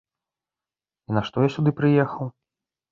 І нашто я сюды прыехаў?